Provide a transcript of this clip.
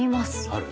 ある？